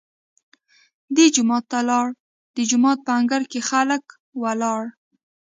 دی جومات ته لاړ، د جومات په انګړ کې خلک ولاړ.